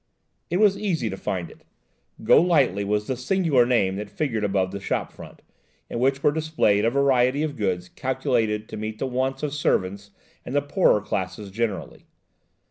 It was easy to find it. "Golightly" was the singular name that figured above the shop front, in which were displayed a variety of goods calculated to meet the wants of servants and the poorer classes generally.